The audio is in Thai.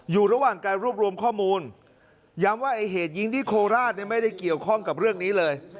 อยู่ระหว่างการรวบรวมข้อมูลย้ำว่าไอ้เหตุยิงที่โคราชไม่ได้เกี่ยวข้องกับเรื่องนี้เลย